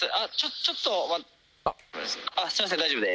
「ちょっと待ってすみません大丈夫です」